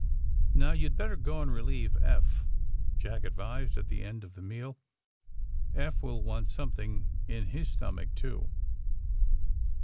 "Now, you'd better go and relieve Eph,'* Jack advised, at the end of the meal. '' Eph will want something in his stomach, too."